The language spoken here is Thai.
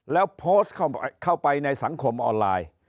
แล้วโพสต์เข้าไปในสังคมออนไลน์